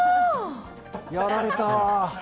やられた。